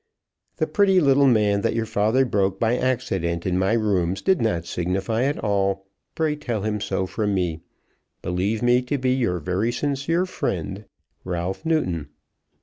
The pretty little man that your father broke by accident in my rooms did not signify at all. Pray tell him so from me. Believe me to be your very sincere friend, RALPH NEWTON.